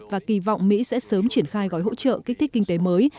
và kỳ vọng mỹ sẽ sớm triển khai gói hỗ trợ kích thích kinh tế mới